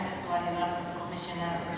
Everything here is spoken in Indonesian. ketua direktur promesional ojk